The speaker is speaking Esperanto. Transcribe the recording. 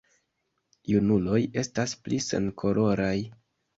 Junuloj estas pli senkoloraj.